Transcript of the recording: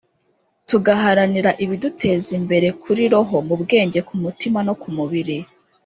tugaharanira ibiduteza imbere, kuri roho, mu bwenge, ku mutima no ku mubiri